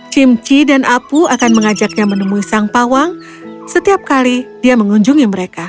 cimci dan apu akan mengajaknya menemui sang pawang setiap kali dia mengunjungi mereka